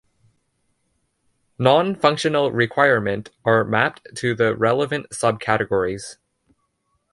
Non-functional requirement are mapped to the relevant sub-categories.